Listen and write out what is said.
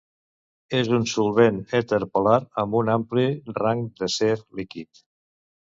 És un solvent èter polar amb un ampli rang de ser líquid.